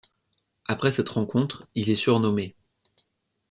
Après cette rencontre, il est surnommé '.